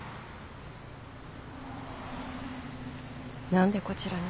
何でこちらに？